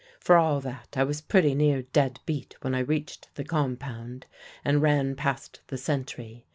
For all that, I was pretty near dead beat when I reached the compound and ran past the sentry.